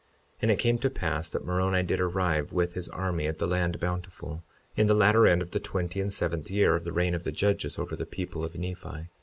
52:18 And it came to pass that Moroni did arrive with his army at the land of Bountiful, in the latter end of the twenty and seventh year of the reign of the judges over the people of Nephi.